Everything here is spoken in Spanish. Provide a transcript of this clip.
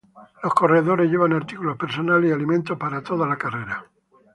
Los corredores llevan artículos personales y alimentos para toda la carrera.